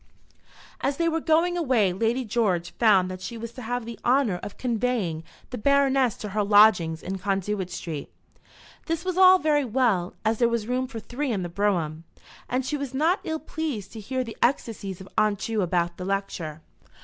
As they were going away Lady George found that she was to have the honour of conveying the Baroness to her lodgings in Conduit Street. This was all very well, as there was room for three in the brougham, and she was not ill pleased to hear the ecstasies of Aunt Ju about the lecture.